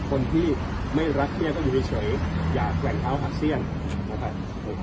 คนที่ไม่รักแค่ก็อยู่เพียงเฉยอย่าแขนเท้าหักเสี้ยงชัด